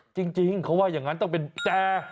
จริงเขาว่าอย่างนั้นต้องเป็นแต่